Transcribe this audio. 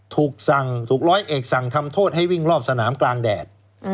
ถูกสั่งถูกร้อยเอกสั่งทำโทษให้วิ่งรอบสนามกลางแดด